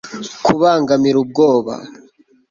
Kubangamira ubwoba